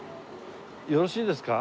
よろしいですか？